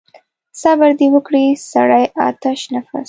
صبر دې وکړي سړی آتش نفس.